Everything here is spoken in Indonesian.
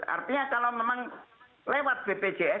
artinya kalau memang lewat bpjs